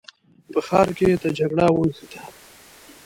په ښار کې د جګړه ونښته.